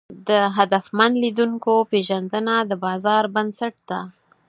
د هدفمن لیدونکو پېژندنه د بازار بنسټ ده.